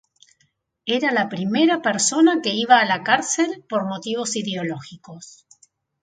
Era la primera persona que iba a la cárcel por motivos ideológicos.